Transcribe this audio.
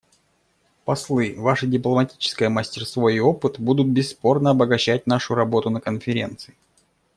Послы, ваше дипломатическое мастерство и опыт будут бесспорно обогащать нашу работу на Конференции.